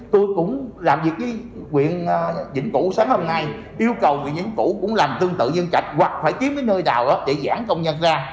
tôi cũng làm việc với quyền dĩnh cụ sáng hôm nay yêu cầu quỹ dĩnh cụ cũng làm tương tự dân trạch hoặc phải kiếm cái nơi nào để giãn công nhân ra